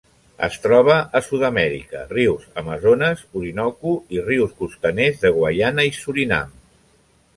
Es troba a Sud-amèrica: rius Amazones, Orinoco i rius costaners de Guaiana i Surinam.